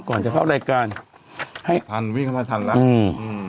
ก่อนจะเข้ารายการให้พันวิ่งเข้ามาทันแล้วอืม